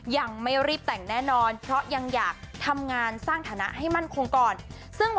ยังไม่รีบแต่งแน่นอนเพราะยังอยากทำงานสร้างฐานะให้มั่นคงก่อน